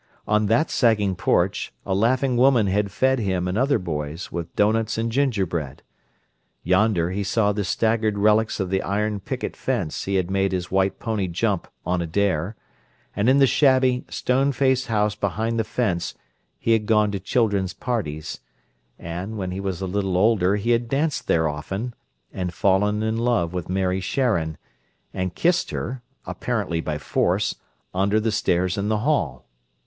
On that sagging porch a laughing woman had fed him and other boys with doughnuts and gingerbread; yonder he saw the staggered relics of the iron picket fence he had made his white pony jump, on a dare, and in the shabby, stone faced house behind the fence he had gone to children's parties, and, when he was a little older he had danced there often, and fallen in love with Mary Sharon, and kissed her, apparently by force, under the stairs in the hall.